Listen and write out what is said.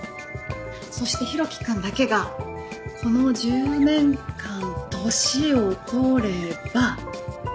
そしてヒロキ君だけがこの１０年間年を取れば。